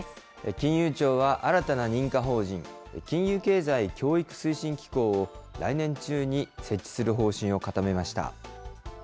金融庁は、新たな認可法人金融経済教育推進機構を来年中に設置する方針を固めました。